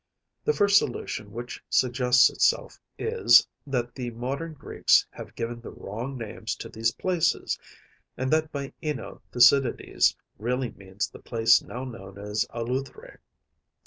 The first solution which suggests itself is, that the modern Greeks have given the wrong names to these places, and that by Ňínoe Thucydides really means the place now known as Eleutheræ.